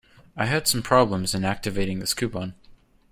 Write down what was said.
I had some problems in activating this coupon.